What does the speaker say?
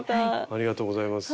ありがとうございます。